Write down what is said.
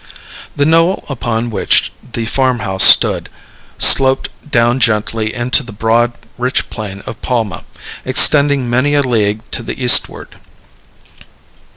The knoll upon which the farm house stood sloped down gently into the broad, rich plain of Palma, extending many a league to the eastward.